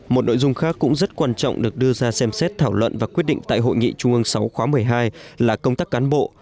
một nội dung khác cũng rất quan trọng được đưa ra xem xét thảo luận và quyết định tại hội nghị trung ương sáu khóa một mươi hai là công tác cán bộ